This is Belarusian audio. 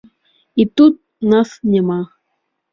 І тут нас няма.